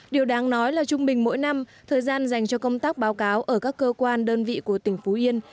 điều đáng nói là trung bình mỗi năm thời gian dành cho công tác báo cáo ở các cơ quan đơn vị của tỉnh phú yên